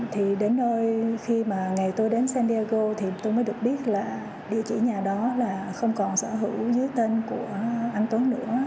thì đến nơi khi mà ngày tôi đến san diego thì tôi mới được biết là địa chỉ nhà đó là không còn sở hữu dưới tên của anh tuấn nữa